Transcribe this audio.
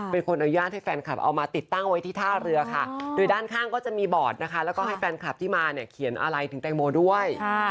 เป็นคนอนุญาตให้แฟนคลับเอามาติดตั้งไว้ที่ท่าเรือค่ะโดยด้านข้างก็จะมีบอร์ดนะคะแล้วก็ให้แฟนคลับที่มาเนี่ยเขียนอะไรถึงแตงโมด้วย